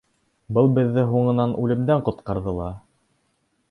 Был беҙҙе һуңынан үлемдән ҡотҡарҙы ла.